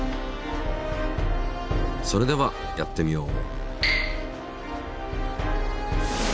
それではやってみよう！